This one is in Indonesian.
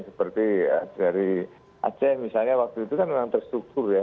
seperti dari aceh misalnya waktu itu kan memang terstruktur ya